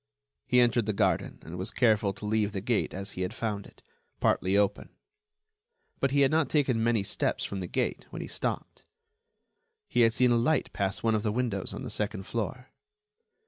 He entered the garden, and was careful to leave the gate as he had found it—partly open. But he had not taken many steps from the gate when he stopped. He had seen a light pass one of the windows on the second floor.